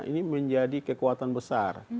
ini menjadi kekuatan besar